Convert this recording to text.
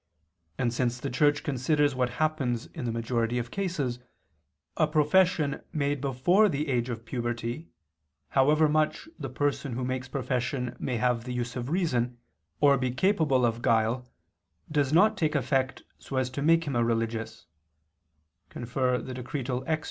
And since the Church considers what happens in the majority of cases, a profession made before the age of puberty, however much the person who makes profession may have the use of reason, or be capable of guile, does not take effect so as to make him a religious (Extra, De Regular.